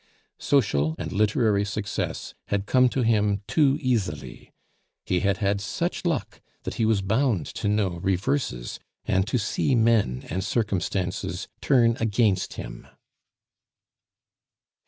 Social and literary success had come to him too easily; he had had such luck that he was bound to know reverses and to see men and circumstances turn against him.